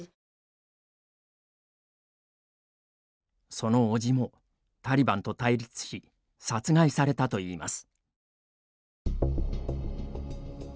その叔父も、タリバンと対立し殺害されたといいます。